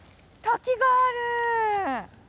滝がある！